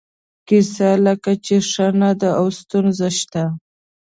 کیسه لکه چې ښه نه ده او ستونزه شته.